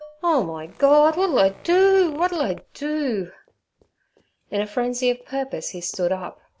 'Oh, my Gord! w'at 'll I do? W'at 'll I do?' In a frenzy of purpose he stood up.